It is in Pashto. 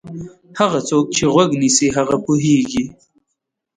هغه څوک چې غوږ نیسي هغه پوهېږي.